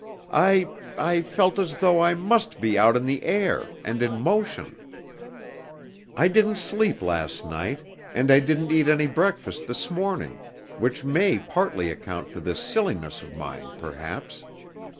I I felt as though I must be out in the air, and in motion. I didn't sleep last night, and I didn't eat any breakfast this morning, which may partly account for this silliness of mine, perhaps.